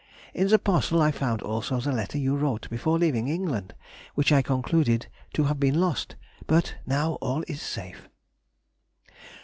In the parcel I found also the letter you wrote before leaving England, which I concluded to have been lost, but now all is safe.